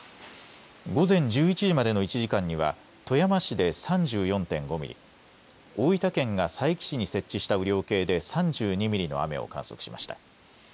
午前１１時までの１時間には富山市で３４．５ミリ、大分県が佐伯市に設置した雨量計で３２ミリの雨を観測しました。